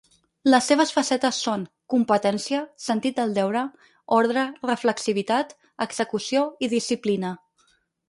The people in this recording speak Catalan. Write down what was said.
Les seves facetes són: competència, sentit del deure, ordre, reflexivitat, execució i disciplina.